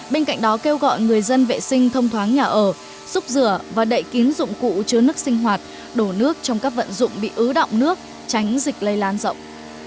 bên cạnh đó kêu gọi người dân vệ sinh thông thoáng nhà ở xúc rửa và đậy kín dụng cụ chứa nước sinh hoạt đổ nước trong các vận dụng bị ứ động nước tránh dịch lây lan rộng